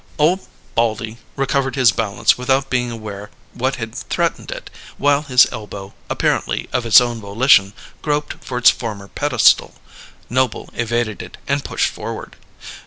Old Baldy recovered his balance without being aware what had threatened it, while his elbow, apparently of its own volition, groped for its former pedestal. Noble evaded it, and pushed forward.